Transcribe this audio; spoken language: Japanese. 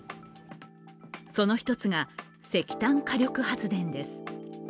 その一つが、石炭火力発電です。